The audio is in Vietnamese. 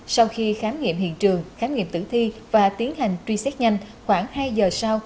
sau khi khám nghiệm hiện trường khám nghiệm tử thi và tiến hành truy xét nhanh khoảng hai giờ sau